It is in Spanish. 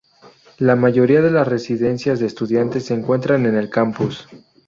La mayoría de las residencias de estudiantes se encuentran en el campus.